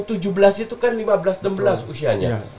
umur tujuh belas itu kan lima belas enam belas usianya